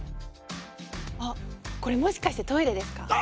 あこれもしかしてトイレですか？